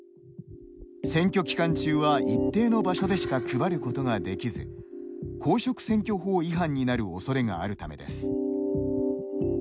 選挙期間中は一定の場所でしか配ることができず公職選挙法違反になるおそれがあるためです。